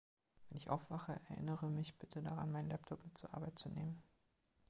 Wenn ich aufwache, erinnere mich bitte daran, meinen Laptop mit zur Arbeit zu nehmen.